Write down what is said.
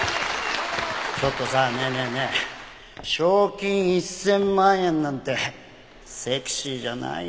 ちょっとさねえねえねえ賞金１０００万円なんてセクシーじゃないよね？